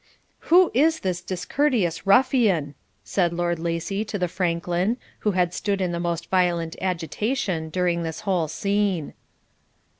'Who is this discourteous ruffian?' said Lord Lacy to the Franklin, who had stood in the most violent agitation during this whole scene.